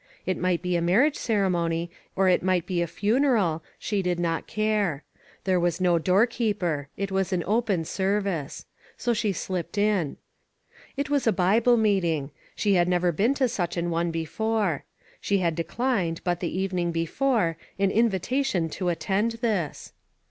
It might be a marriage ceremony, or it might be a funeral — she did not care. There was no door keeper. It was an open service. So she slipped in. It was a Bible meeting. She had never been to such an one before. She had declined, but the evening before, an in vitation to attend this.